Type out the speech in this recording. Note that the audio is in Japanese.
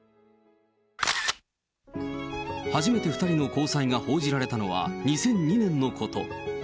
初めて２人の交際が報じられたのは、２００２年のこと。